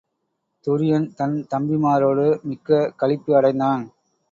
துரியன் தன் தம்பிமாரோடு மிக்க களிப்பு அடைந்தான்.